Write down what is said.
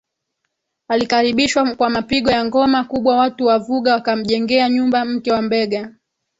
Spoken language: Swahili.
alikaribishwa kwa mapigo ya ngoma kubwa Watu wa Vuga wakamjengea nyumbaMke wa Mbegha